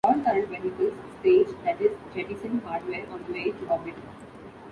All current vehicles "stage", that is, jettison hardware on the way to orbit.